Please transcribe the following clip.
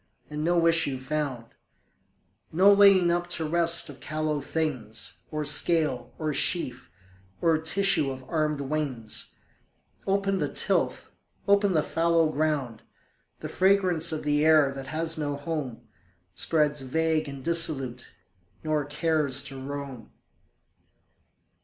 and no issue found; No laying up to rest of callow things, Or scale, or sheaf, or tissue of armed wings: Open the tilth, open the fallow ground! The fragrance of the air that has no home Spreads vague and dissolute, nor cares to roam.